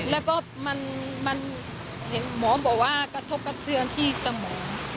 แล้วก็มันเห็นหมอบอกว่ากระทบกระเทือนที่สมอง